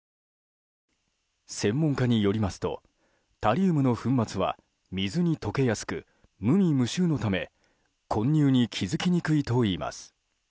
専門家によりますとタリウムの粉末は水に溶けやすく無味無臭のため混入に気づきにくいといいます。